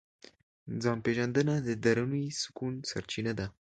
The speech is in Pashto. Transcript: ځان پېژندنه د دروني سکون سرچینه ده.